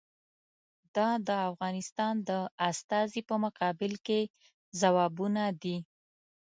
دا د افغانستان د استازي په مقابل کې ځوابونه دي.